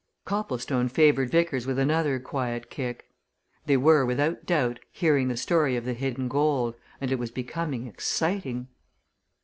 Copplestone favoured Vickers with another quiet kick. They were, without doubt, hearing the story of the hidden gold, and it was becoming exciting.